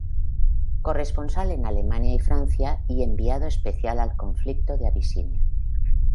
Corresponsal en Alemania y Francia y enviado especial al conflicto de Abisinia.